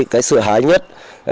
cái sự hái nhất